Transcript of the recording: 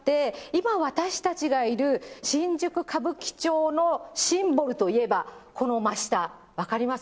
今私たちがいる新宿・歌舞伎町のシンボルといえば、この真下、分かります？